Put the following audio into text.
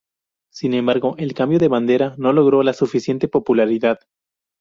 Sin embargo, el cambio de bandera no logró la suficiente popularidad.